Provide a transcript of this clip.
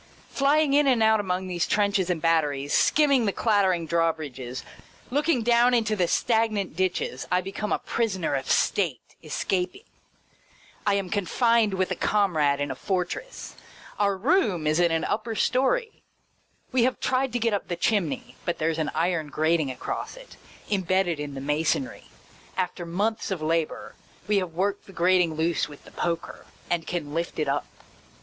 Flying in and out among these trenches and batteries, skim ming the clattering drawbridges, looking down into the stagnant ditches, I become a prisoner of state, escaping. I am confined with a com rade in a fortress. Our room is in an upper story. We have tried to get up the chimney, but there 's an iron grating across it, imbedded in the masonry. After months of labour, we have worked the grating loose with the poker, and can lift it up.